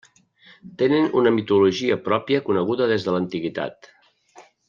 Tenen una mitologia pròpia coneguda des de l'antiguitat.